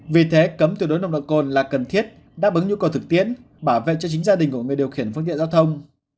vì thế cấm tuyệt đối nồng độ cồn là cần thiết đáp ứng nhu cầu thực tiễn bảo vệ cho chính gia đình của người điều khiển phương tiện giao thông